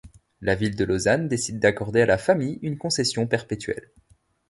La ville de Lausanne décide d'accorder à la famille une concession perpétuelle.